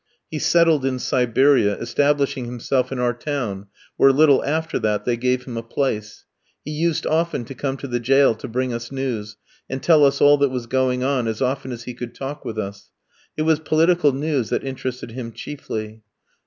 He settled in Siberia, establishing himself in our town, where a little after that they gave him a place. He used often to come to the jail to bring us news, and tell us all that was going on, as often as he could talk with us. It was political news that interested him chiefly.